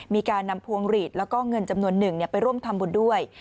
มีการนำพวงหลีดแล้วก็เงินจำนวนหนึ่งไปร่วมทำบุญด้วย